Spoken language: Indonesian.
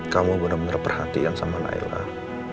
kamu benar benar perhatian sama nailah